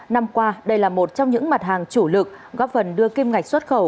năm qua đây là một trong những mặt hàng chủ lực góp phần đưa kim ngạch xuất khẩu